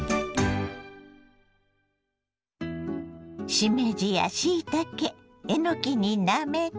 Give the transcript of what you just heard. しめじやしいたけえのきになめこ。